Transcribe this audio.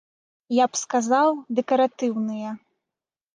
Я б сказаў, дэкаратыўныя.